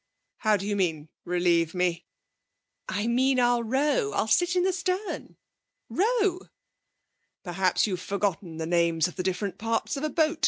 'How do you mean relieve me?' 'I mean I'll row I'll sit in the stern row!' 'Perhaps you've forgotten the names of the different parts of a boat.